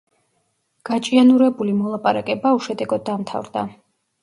გაჭიანურებული მოლაპარაკება უშედეგოდ დამთავრდა.